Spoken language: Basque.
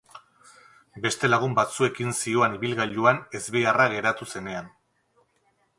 Beste lagun batzuekin zihoan ibilgailuan ezbeharra geratu zenean.